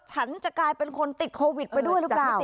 ฉันจะกลายเป็นคนติดโควิดไปด้วยหรือเปล่า